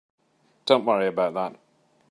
Don't worry about that.